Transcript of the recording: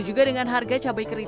juga dengan harga cabai kering